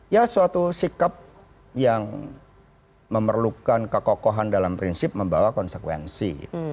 ya suatu sikap yang memerlukan kekokohan dalam prinsip membawa konsekuensi